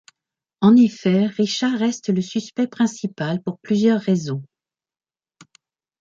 En effet, Richard reste le suspect principal pour plusieurs raisons.